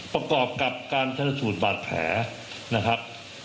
ประกอบกับการชนสูตรบาดแผลนะครับ